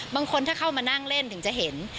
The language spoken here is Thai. บางคนถ้าเข้ามานั่งเล่นถึงจะเห็น